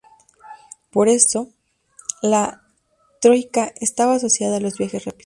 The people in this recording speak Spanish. Por esto, la troika estaba asociada a los viajes rápidos.